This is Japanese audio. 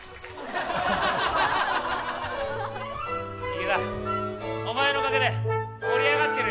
池田お前のおかげで盛り上がってるよ。